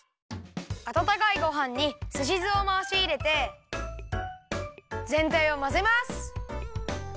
あたたかいごはんにすしずをまわしいれてぜんたいをまぜます！